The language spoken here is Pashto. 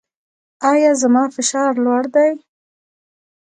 ایا زما فشار لوړ دی؟